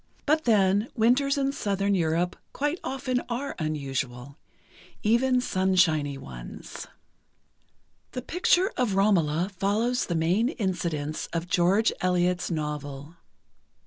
But then, winters in Southern Europe quite often are unusual. Even sunshiny ones. The picture of "Romola" follows the main incidents of George Eliot's novel.